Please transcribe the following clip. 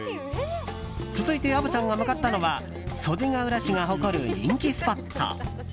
続いて虻ちゃんが向かったのは袖ケ浦市が誇る人気スポット。